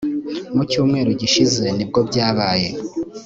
mu cyumweru gishize nibwo byabaye